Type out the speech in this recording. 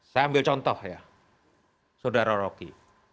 saya ambil contoh ya saudara rocky